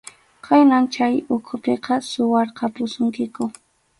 Khaynan chay ukhupiqa suwarqapusunkiku.